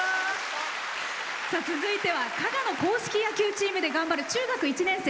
続いては加賀の硬式野球チームで頑張る中学１年生。